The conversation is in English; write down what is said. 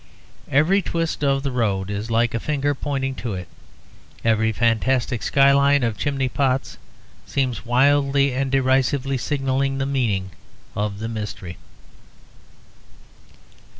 Every twist of the road is like a finger pointing to it; every fantastic skyline of chimney pots seems wildly and derisively signalling the meaning of the mystery.